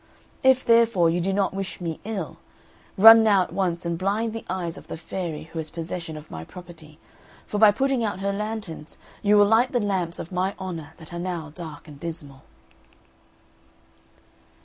If, therefore, you do not wish me ill, run now at once and blind the eyes of the fairy who has possession of my property, for by putting out her lanterns you will light the lamps of my honour that are now dark and dismal."